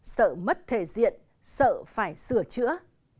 sợ mất thể diện sợ phải sửa chữa